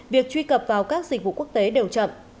việc truy cập vào các dịch vụ quốc tế đều chậm